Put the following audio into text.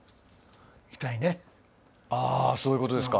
ああそういうことですか。